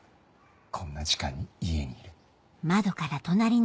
こんな時間に家にいる。